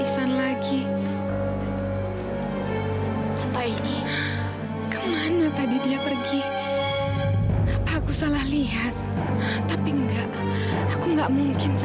sampai jumpa di video selanjutnya